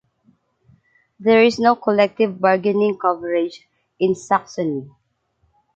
There is no collective bargaining coverage in Saxony.